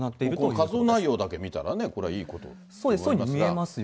活動内容だけ見たらね、これはいいことだと思いますが。